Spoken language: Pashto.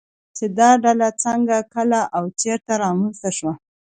چې دا ډله څنگه، کله او چېرته رامنځته شوه